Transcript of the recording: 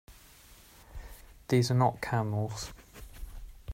These are not camels!